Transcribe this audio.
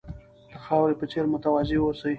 د خاورې په څېر متواضع اوسئ.